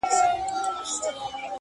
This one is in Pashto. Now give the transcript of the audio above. له دغي خاوري مرغان هم ولاړل هجرت کوي-